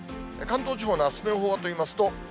関東地方のあすの予報はといいますと。